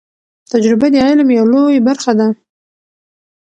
تجربه د علم یو لوی برخه ده.